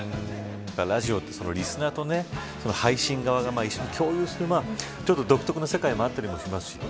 ラジオってリスナーと配信側が一緒に共有する独特な世界もありますし